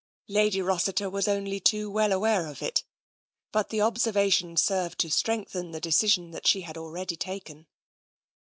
Lady Rossiter was only too well aware of it, but the observation served to strengthen the decision that she had already taken.